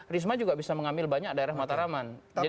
risma juga bisa mengambil banyak daerah mataraman